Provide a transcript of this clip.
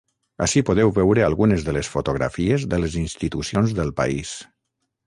Ací podeu veure algunes de les fotografies de les institucions del país.